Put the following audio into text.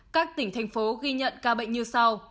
các tỉnh thành phố ghi nhận ca bệnh như sau